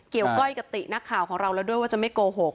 ก้อยกับตินักข่าวของเราแล้วด้วยว่าจะไม่โกหก